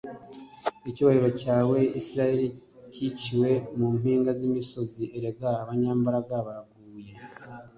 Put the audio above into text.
“Icyubahiro cyawe, Isirayeli, Cyiciwe mu mpinga z’imisozi! Erega abanyambaraga baraguye!